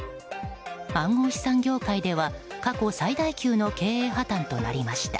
暗号資産業界では過去最大級の経営破綻となりました。